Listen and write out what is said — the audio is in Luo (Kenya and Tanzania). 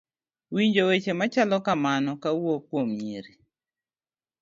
winjo weche machalo kamano kawuok kuom nyiri